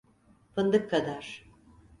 Fındık kadar…